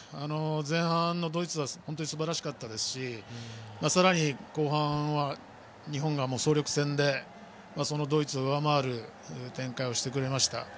前半のドイツは本当にすばらしかったですしさらに後半は日本が総力戦でドイツを上回る展開をしてくれました。